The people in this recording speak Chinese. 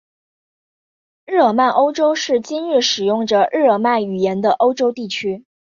日耳曼欧洲是今日使用着日耳曼语言的欧洲地区。